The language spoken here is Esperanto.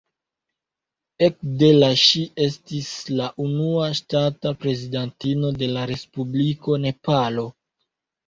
Ekde la ŝi estis la unua ŝtata prezidantino de la respubliko Nepalo.